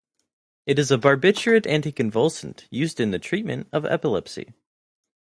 It is a barbiturate anticonvulsant, used in the treatment of epilepsy.